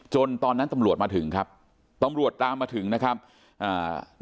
ตอนนั้นตำรวจมาถึงครับตำรวจตามมาถึงนะครับอ่า